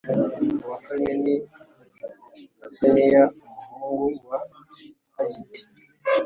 uwa kane ni Adoniya umuhungu wa Hagiti